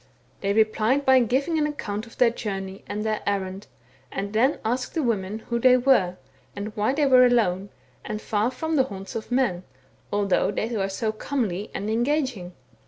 They replied by giving an account of their journey and their errand, and then asked the women who they were, and why they • were alone, and far from the haunts of men, although they were so comely and engaging.